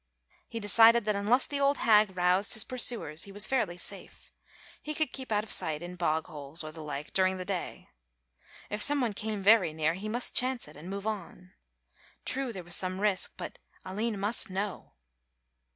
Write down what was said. He decided that unless the old hag roused his pursuers he was fairly safe; he could keep out of sight in bog holes or the like during the day. If some one came very near, he must chance it and move on. True there was some risk, but Aline must know.